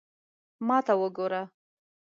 ما ته وګوره